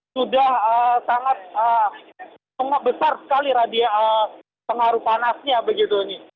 sudah sangat besar sekali radia pengaruh panasnya begitu